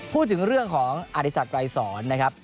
พูดถึงเรื่องของอธิสักไกรสอนนะครับ